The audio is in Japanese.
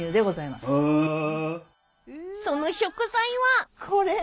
［その食材は］これ。